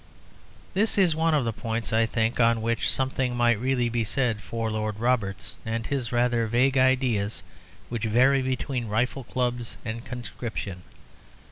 This is one of the points, I think, on which something might really be said for Lord Roberts and his rather vague ideas which vary between rifle clubs and conscription.